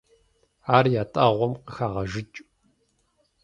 Ар ятӀагъуэм къыхагъэжыкӀ.